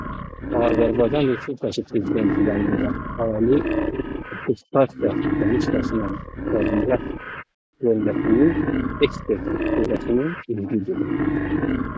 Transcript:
Azərbaycan Respublikası Prezidenti yanında Ali Attestasiya Komissiyasının İqtisadiyyat bölməsinin Ekspert Şurasının üzvüdür.